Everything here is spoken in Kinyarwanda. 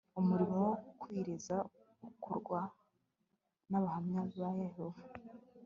umurimo wo kubwiriza ukorwa n abahamya ba yehova